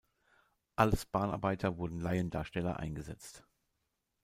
Als Bahnarbeiter wurden Laiendarsteller eingesetzt.